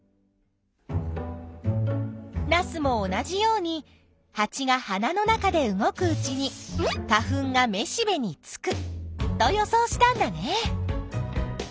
ナスも同じようにハチが花の中で動くうちに花粉がめしべにつくと予想したんだね。